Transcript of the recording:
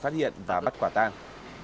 phát hiện và bắt quả tang